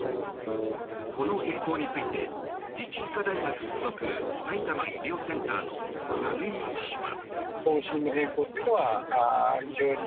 この変更について自治医科大学附属さいたま医療センターの讃井医師は。